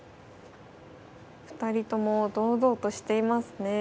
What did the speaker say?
２人とも堂々としていますね。